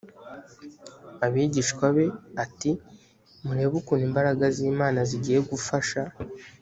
abigishwa be ati murebe ukuntu imbaraga z imana zigiye gufasha